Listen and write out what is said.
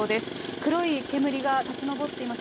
黒い煙が立ち上っています。